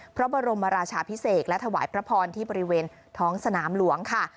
พระบรมราชาพิเศษและถวายพระพรที่บริเวณท้องสนามหลวงค่ะ